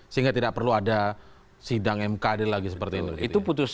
sehingga tidak perlu ada sidang mkd lagi seperti itu